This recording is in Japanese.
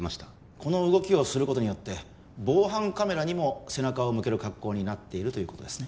この動きをすることによって防犯カメラにも背中を向ける格好になっているということですね